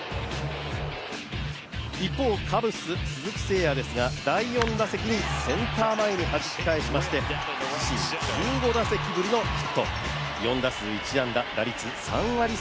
一方、カブス・鈴木誠也ですが第４打席にセンター前にはじき返しまして自身１５打席ぶりのヒット